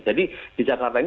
jadi di jakarta ini